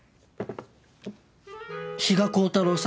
比嘉光太郎さん